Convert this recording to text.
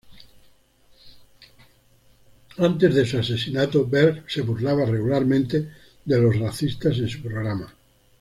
Antes de su asesinato, Berg se burlaba regularmente de los racistas en su programa.